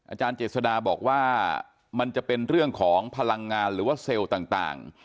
อาจารย์เจษฎาบอกว่ามันจะเป็นเรื่องของพลังงานหรือว่าเซลล์ต่าง